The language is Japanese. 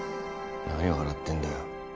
何笑ってんだよ